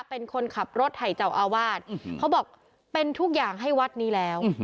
เป็นคนขับรถให้เจ้าอาวาสเขาบอกเป็นทุกอย่างให้วัดนี้แล้ว